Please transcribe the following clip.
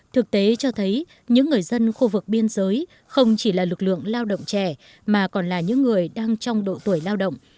thực tế cho thấy những người dân khu vực biên giới không chỉ là lực lượng lao động trẻ mà còn là những người đang trong độ tuổi lao động